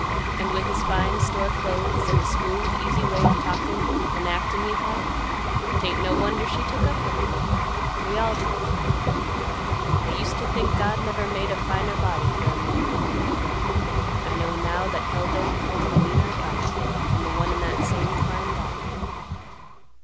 and with his fine store clothes and a smooth easy way of talkin' and actin' he had, 'tain't no wonder she took up with him. We all did. I used to think God never made a finer body for a man. I know now that Hell don't hold a meaner heart than the one in that same fine body.